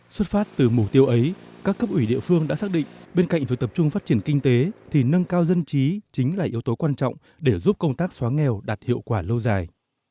xuất phát từ mục tiêu ấy các cấp ủy địa phương đã xác định bên cạnh việc tập trung phát triển kinh tế thì nâng cao dân chí chính là yếu tố quan trọng để giúp công tác xóa nghèo đạt hiệu quả lâu dài